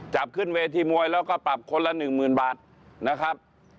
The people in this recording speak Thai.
จับขึ้นเวทีมวยแล้วก็ปรับคนละ๑๐๐๐บาทนะครับ